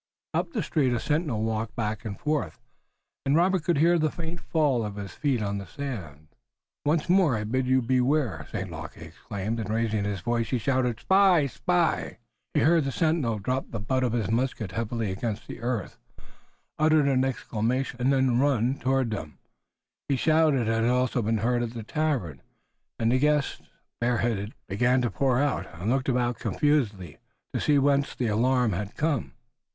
Up the street, a sentinel walked back and forth, and Robert could hear the faint fall of his feet on the sand. "Once more I bid you beware, St. Luc!" he exclaimed, and raising his voice he shouted: "A spy! A spy!" He heard the sentinel drop the butt of his musket heavily against the earth, utter an exclamation and then run toward them. His shout had also been heard at the tavern, and the guests, bareheaded, began to pour out, and look about confusedly to see whence the alarm had come.